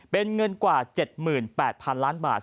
เป็นเงินกว่า๗๘๐๐๐ล้านบาท